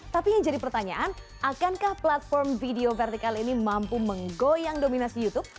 tapi yang jadi pertanyaan akankah platform video vertikal ini mampu menggoyang dominasi youtube